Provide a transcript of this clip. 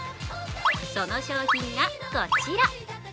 その商品がこちら。